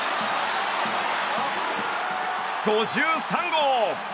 ５３号！